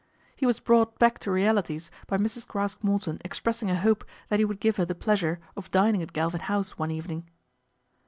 He was brought back to realities by Mrs. Craske Morton expressing a hope that he would give her the pleasure of dining at Galvin House one evening.